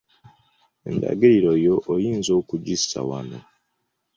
Endagiriro yo oyinza okugissa wano.